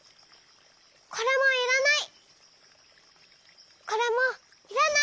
これもいらない。